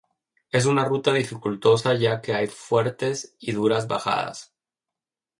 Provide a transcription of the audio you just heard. Es una ruta dificultosa ya que hay fuertes y duras bajadas.